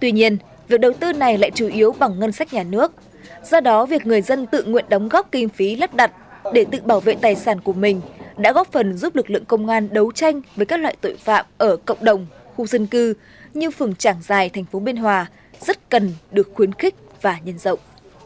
tuy nhiên việc đầu tư này lại chủ yếu bằng ngân sách nhà nước do đó việc người dân tự nguyện đóng góp kinh phí lắp đặt để tự bảo vệ tài sản của mình đã góp phần giúp lực lượng công an đấu tranh với các loại tội phạm ở cộng đồng khu dân cư như phường trảng giài thành phố biên hòa rất cần được khuyến khích và nhân rộng